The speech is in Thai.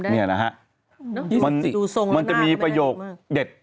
นึกดูทรงละหน้าไม่ได้อะไรมากมันจะมีประยกเด็ด